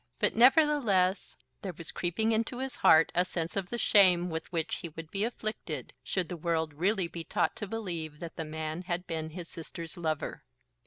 But, nevertheless, there was creeping into his heart a sense of the shame with which he would be afflicted, should the world really be taught to believe that the man had been his sister's lover.